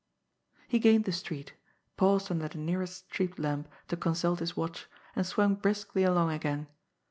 He gained the street, paused under the nearest street lamp to consult his watch, and swung briskly along again.